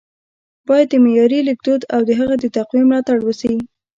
ـ بايد د معیاري لیکدود او د هغه د تقويې ملاتړ وشي